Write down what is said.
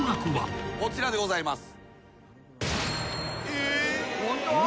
こちらでございます。